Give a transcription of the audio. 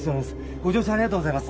ご乗車ありがとうございます